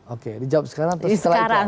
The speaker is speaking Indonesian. oke dijawab sekarang atau setelah ikan